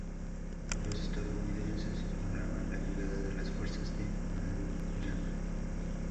Los estadounidenses ignoraban la llegada de las fuerzas de Maruyama.